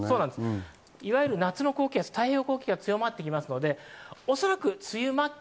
夏の高気圧、太平洋高気圧が強まってきますので、おそらく梅雨末期。